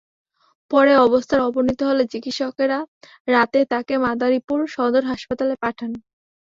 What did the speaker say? পরে অবস্থার অবনতি হলে চিকিৎসকেরা রাতে তাকে মাদারীপুর সদর হাসপাতালে পাঠান।